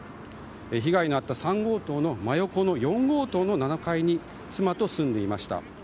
被害のあった３号棟の真横の４号棟の７階に妻と住んでいました。